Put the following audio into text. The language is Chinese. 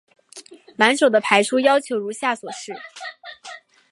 满手的牌数要求如下所示。